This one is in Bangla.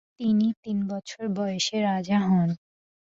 তিনি তিন বছর বয়সে রাজা হন।